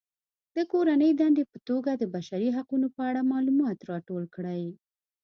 د کورنۍ دندې په توګه د بشري حقونو په اړه معلومات راټول کړئ.